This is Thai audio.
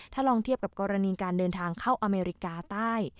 ถ้าลองเทียบกับกรณีการเดินทางเข้าอเมริกาใต้